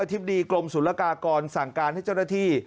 ธิบดีกรมศุลกากรสั่งการให้เจ้าหน้าที่